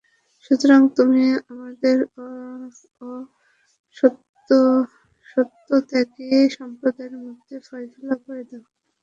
সুতরাং তুমি আমাদের ও সত্যত্যাগী সম্প্রদায়ের মধ্যে ফয়সালা করে দাও।